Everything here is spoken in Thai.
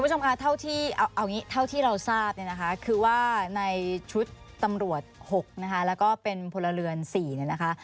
ผู้ชมคะเอาอย่างงี้เท่าที่เราทราบนะคะคือว่าในชุดตำรวจ๖นะคะแล้วก็เป็นพลเรือน๔นะคะ